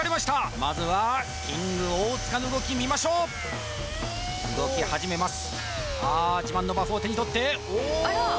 まずはキング大塚の動き見ましょう動き始めますさあ自慢のバフを手にとってお！